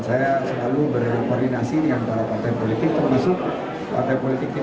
saya selalu berkoordinasi dengan para partai politik